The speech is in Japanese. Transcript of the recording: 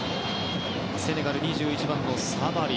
セネガル、２１番のサバリ。